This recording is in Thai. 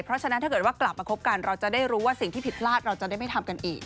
เพราะฉะนั้นถ้าเกิดว่ากลับมาคบกันเราจะได้รู้ว่าสิ่งที่ผิดพลาดเราจะได้ไม่ทำกันอีก